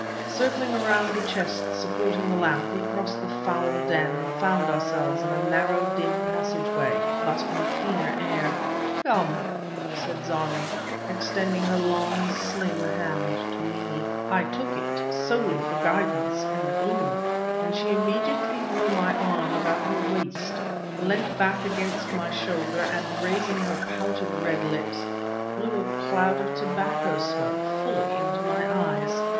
Circling around the chest supporting the lamp we crossed the foul den and found ourselves in a narrow, dim passage way, but in cleaner air. "Come," said Zarmi, extending her long, slim hand to me. I took it, solely for guidance in the gloom, and she immediately drew my arm about her waist, leant back against my shoulder and, raising her pouted red lips, blew a cloud of tobacco smoke fully into my eyes!